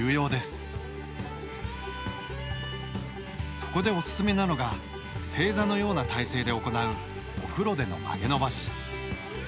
そこでオススメなのが正座のような体勢で行うお風呂での曲げ伸ばし。